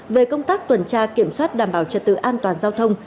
về công tác tuần tra kiểm soát đảm bảo trật tự an toàn giao thông